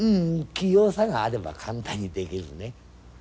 器用さがあれば簡単に出来るね。